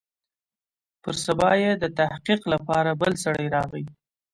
پر سبا يې د تحقيق لپاره بل سړى راغى.